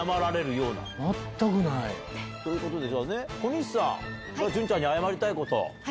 全くない。ということで、じゃあね、小西さんが潤ちゃんに謝りたいこと。